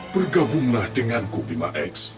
bergabunglah dengan ku pima x